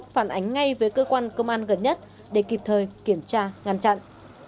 phản ánh ngay với cơ quan công an gần nhất để kịp thời kiểm tra ngăn chặn